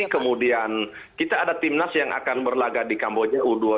kemudian kita ada timnas yang akan berlagak di kamboja u dua puluh